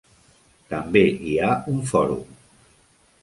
També hi ha un fòrum.